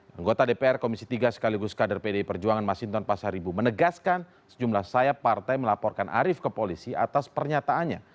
anggota dpr komisi tiga sekaligus kader pdi perjuangan masinton pasaribu menegaskan sejumlah sayap partai melaporkan arief ke polisi atas pernyataannya